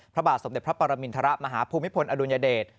พระบาทสมเด็จพระปรมินทรมาฮภูมิพลอดุลยเดช